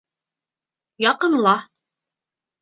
Яҡынла.